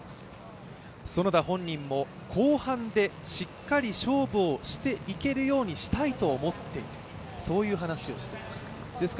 園田本人も後半でしっかり勝負をしていけるようにしたいと思っている、そういう話をしています。